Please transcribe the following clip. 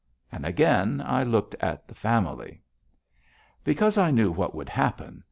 And again I looked at the Family. Because I knew what would happen.